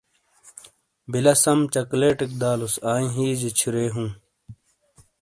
بلہ سم چاکلیٹیک دالوس آنئ ہئیجا چھورے ہوں